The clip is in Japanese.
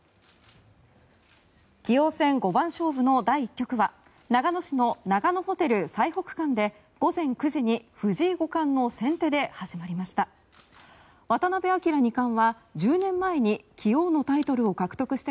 棋王戦五番勝負の第１局は長野市の長野ホテル犀北館で午前９時に藤井五冠の先手で始まりました。